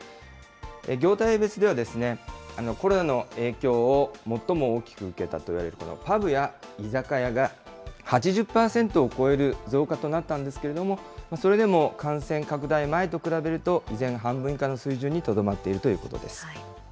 業態別ではコロナの影響を最も大きく受けたといわれるパブや居酒屋が８０％を超える増加となったんですけれども、それでも感染拡大前と比べると、依然、半分以下の水準にとどまっているということです。